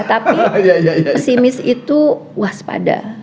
tapi pesimis itu waspada